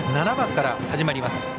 ７番から始まります。